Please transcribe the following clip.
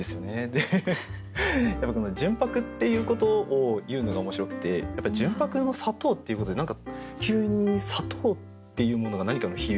でやっぱりこの「純白」っていうことを言うのが面白くてやっぱり「純白の砂糖」っていうことで何か急に「砂糖」っていうものが何かの比喩